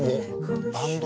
バンド？